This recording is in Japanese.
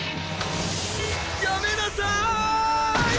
やめなさい！